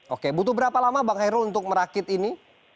oke butuh berapa lama bang hairul untuk merakit ini